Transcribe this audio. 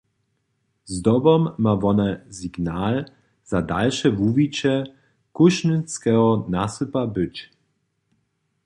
Zdobom ma wone signal za dalše wuwiće Kóšynskeho nasypa być.